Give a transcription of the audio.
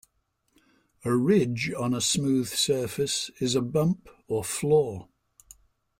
A ridge on a smooth surface is a bump or flaw.